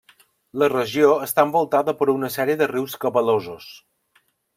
La regió està envoltada per una sèrie de rius cabalosos.